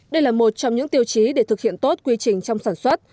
đây là một trong những tiêu chí để thực hiện tốt quy trình trong sản xuất